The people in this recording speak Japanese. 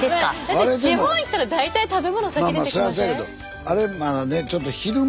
だって地方行ったら大体食べ物先出てきません？